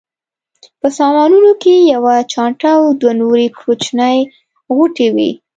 په سامانونو کې یوه چانټه او دوه نورې کوچنۍ غوټې وې.